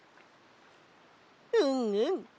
うんうん。